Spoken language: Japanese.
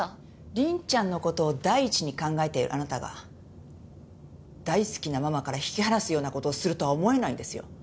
凛ちゃんの事を第一に考えているあなたが大好きなママから引き離すような事をするとは思えないんですよ。